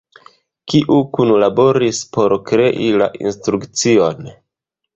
Kiu kunlaboris por krei la instrukcion?